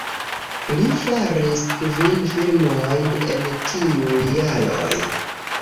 Li faris kvin filmojn en tiuj jaroj.